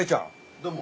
どうも。